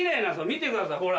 見てくださいほら。